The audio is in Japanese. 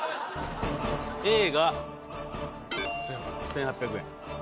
Ａが１，８００円。